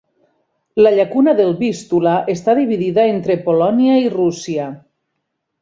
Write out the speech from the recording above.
La llacuna del Vístula està dividida entre Polònia i Rússia.